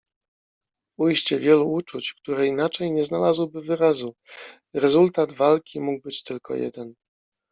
ujście wielu uczuć, które inaczej nie znalazłyby wyrazu. Rezultat walki mógł być tylko jeden.